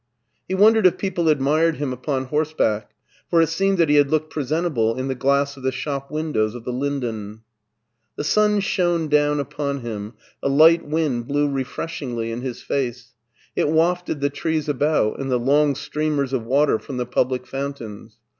He wondered if people admired him upon horseback, for it seemed that he had looked presentable in the glass of the shop win* dows of the Linden. The sun shone down upon him, a light wind blew refreshingly in his face; it wafted the trees about, and the long streamers of water from the public fountains.